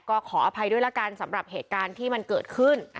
ก็ขออภัยด้วยละกันสำหรับเหตุการณ์ที่มันเกิดขึ้น